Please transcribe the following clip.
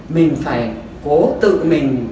mình phải cố tự mình